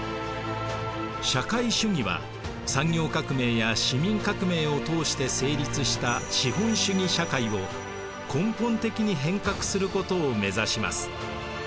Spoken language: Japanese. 社会主義は産業革命や市民革命を通して成立した資本主義社会を根本的に変革することを目指します。